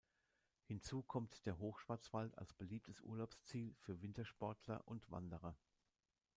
Hinzu kommt der Hochschwarzwald als beliebtes Urlaubsziel für Wintersportler und Wanderer.